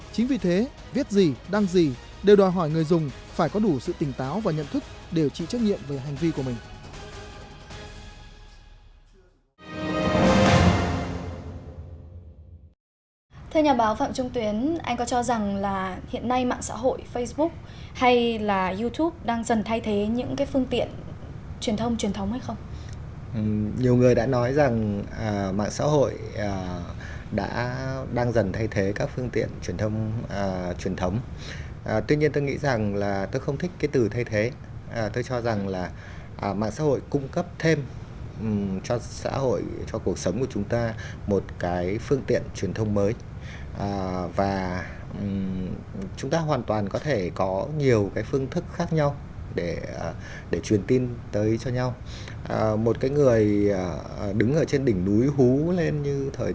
chính vì thế viết gì đăng gì đều đòi hỏi người dùng phải có đủ sự tỉnh táo và nhận thức để trị trách nhiệm về hành vi của mình